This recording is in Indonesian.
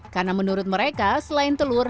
karena menurut mereka selain telur